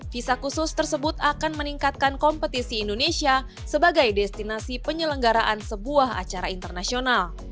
visa khusus tersebut akan meningkatkan kompetisi indonesia sebagai destinasi penyelenggaraan sebuah acara internasional